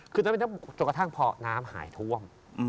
แบบนี้ยังตกกระทั่งพอน้ำหายท่วม